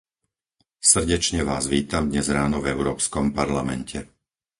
Srdečne vás vítam dnes ráno v Európskom parlamente.